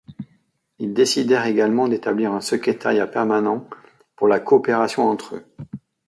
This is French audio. Ils décidèrent également d’établir un Secrétariat permanent pour la coopération entre eux.